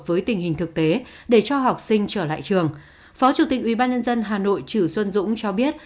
với tình hình thực tế để cho học sinh trở lại trường phó chủ tịch ubnd hà nội chử xuân dũng cho biết